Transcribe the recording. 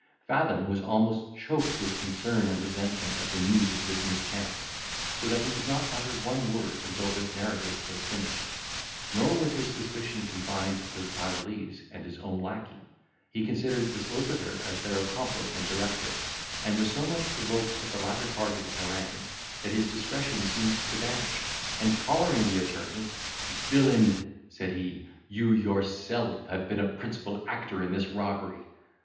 Fathom was almost choked with concern and resentment at the news of this mischance, so that he could not utter one word until this narrative was finished. Nor was his suspicion confined to the Tyrolese and his own lacquey; he considered the solicitor as their accomplice and director, and was so much provoked at the latter part of his harangue, that his discretion seemed to vanish, and, collaring the attorney, "Villain!" said he, "you yourself have been a principal actor in this robbery."